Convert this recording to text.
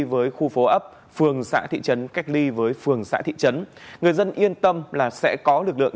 với khu phố ấp phường xã thị trấn cách ly với phường xã thị trấn người dân yên tâm là sẽ có lực lượng